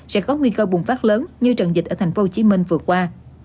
sẽ có nguy cơ bùng phát lớn như trận dịch ở tp hcm vừa qua